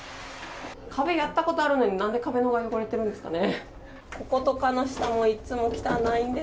壁やったことあるのになんで壁の方が汚れてるんですかね。